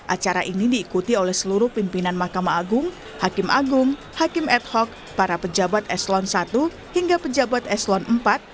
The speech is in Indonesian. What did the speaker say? acara ini diikuti oleh seluruh pimpinan mahkamah agung hakim agung hakim ad hoc para pejabat eselon i hingga pejabat eselon iv